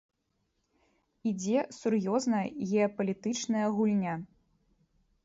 Ідзе сур'ёзная геапалітычная гульня.